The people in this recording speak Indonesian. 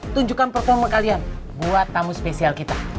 tunjukkan performa kalian buat tamu spesial kita